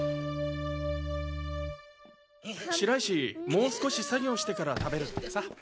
もう少し作業してから食べるってさ。